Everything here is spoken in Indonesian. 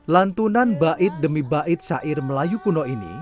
lantunan bait demi bait syair melayu kuno ini